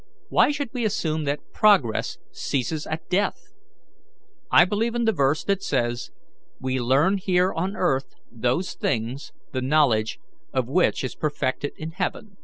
Why should we assume that progress ceases at death? I believe in the verse that says, 'We learn here on earth those things the knowledge of which is perfected in heaven.'"